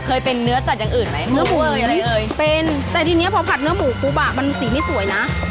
เคยเป็นเนื้อสัตว์อย่างอื่นมั้ย